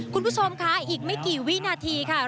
คุณผู้ชมค่ะอีกไม่กี่วินาทีค่ะ